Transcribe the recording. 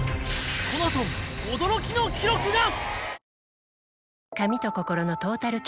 このあと驚きの記録が！